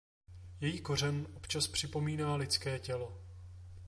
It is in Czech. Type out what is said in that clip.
Její kořen občas připomíná lidské tělo.